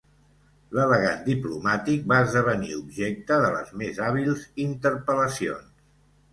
L'elegant diplomàtic va esdevenir objecte de les més hàbils interpel·lacions.